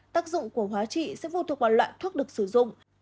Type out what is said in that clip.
tắc dụng của hóa trị sẽ phù thuộc vào loại thuốc được sử dụng